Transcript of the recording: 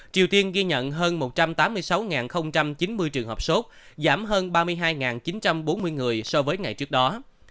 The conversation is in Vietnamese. triều tiên ghi nhận hơn một trăm tám mươi sáu chín mươi trường hợp sốt giảm hơn ba mươi hai chín trăm bốn mươi người so với ngày trước đó